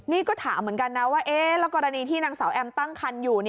นี่ก็ถามเหมือนกันนะว่าแล้วกรณีที่นางสาวแอมตั้งคันอยู่